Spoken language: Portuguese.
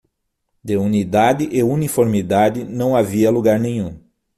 De unidade e uniformidade, não havia lugar nenhum.